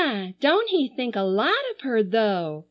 Don't he think a lot of her though!"